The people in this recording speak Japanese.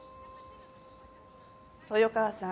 豊川さん